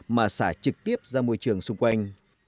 mà xả trực tiếp ra môi trường xung quanh